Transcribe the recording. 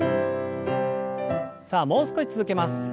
さあもう少し続けます。